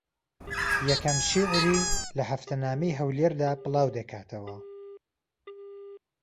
یەکەم شیعری لە ھەفتەنامەی ھەولێردا بڵاو دەکاتەوە